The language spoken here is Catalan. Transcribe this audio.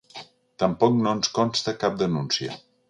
Tampoc no ens consta cap denúncia.